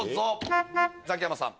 ザキヤマさん。